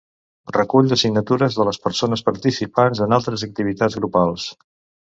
Recull de signatures de les persones participants en altres activitats grupals.